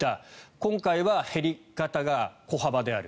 今回は減り方が小幅である。